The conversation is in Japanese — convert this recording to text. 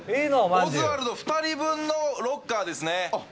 オズワルド２人分のロッカーですね。